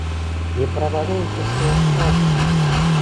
Не правароньце сваё шчасце!